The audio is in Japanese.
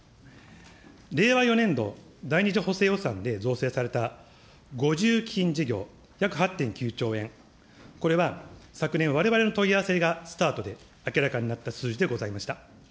令和４年度第２次補正予算で造成された５０基金事業、約８．９兆円、これは昨年、われわれの問い合わせがスタートで明らかになった数字でございました。